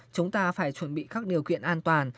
chúng ta phải chuẩn bị các điều kiện an toàn